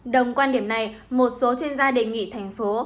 đồng quan điểm này một số chuyên gia đề nghị thành phố